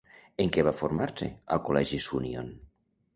En què va formar-se al col·legi Súnion?